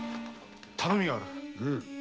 頼みがある。